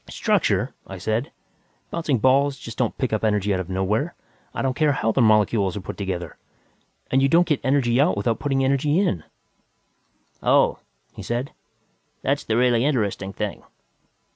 "Structure!" I said. "Bouncing balls just don't pick up energy out of nowhere, I don't care how their molecules are put together. And you don't get energy out without putting energy in." "Oh," he said, "that's the really interesting thing.